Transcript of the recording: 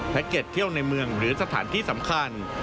เก็ตเที่ยวในเมืองหรือสถานที่สำคัญ